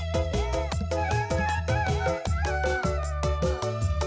tapi dirimu punya wanita sepanjang